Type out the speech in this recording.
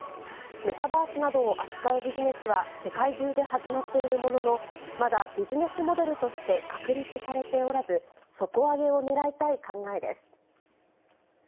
メタバースなどを扱うビジネスは世界中で始まっているものの、まだビジネスモデルとして確立されておらず、底上げをねらいたい考えです。